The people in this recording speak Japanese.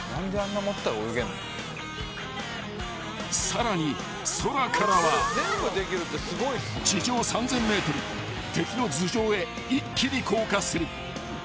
［さらに空からは地上３，０００ｍ敵の頭上へ一気に降下する］